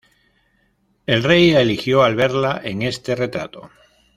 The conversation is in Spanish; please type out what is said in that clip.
El rey la eligió al verla en este retrato.